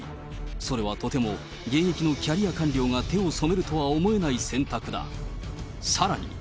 それはとても現役のキャリア官僚が手を染めるとは思えない選択だ。